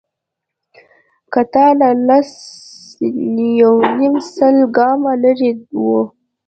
کتار لا سل يونيم سل ګامه لرې و.